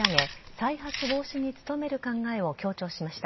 再発防止に努める考えを強調しました。